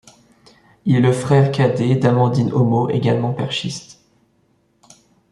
Il est le frère cadet d'Amandine Homo, également perchiste.